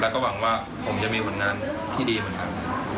แล้วก็หวังว่าผมจะมีผลงานที่ดีเหมือนกัน